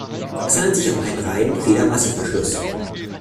Es handelt sich um einen reinen Feder-Masse-Verschluss.